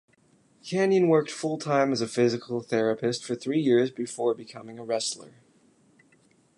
Kanyon worked full-time as a physical therapist for three years before becoming a wrestler.